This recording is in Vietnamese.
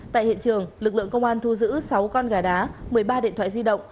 tại hiện trường lực lượng công an thu giữ sáu con gà đá một mươi ba điện thoại di động